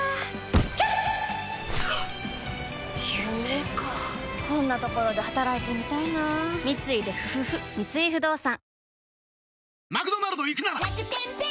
夢かこんなところで働いてみたいな三井不動産